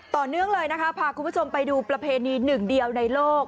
ต่อเนื่องเลยนะคะพาคุณผู้ชมไปดูประเพณีหนึ่งเดียวในโลก